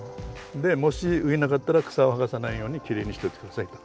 でもし植えなかったら草を生やさないようにきれいにしておいてくださいと。